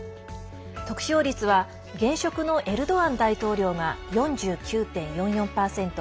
得票率は現職のエルドアン大統領が４９．４４％。